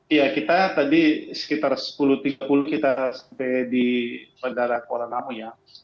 iya kita tadi sekitar sepuluh tiga puluh kita sampai di bandara kuala namu ya